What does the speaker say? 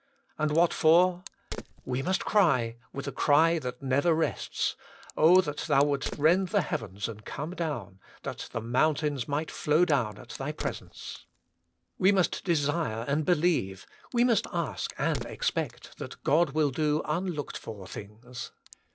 And what for ? We must cry, with a cry that never rests, * Oh that Thou wouldest rend the heavens and come down, that the mountains might flow down at Thy WAITING ON GOD! ^ 113 presence.' "We must desire and believe, we must a&jk and expect, that God will do unlooked for things.